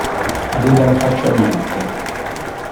Aveva la faccia bianca.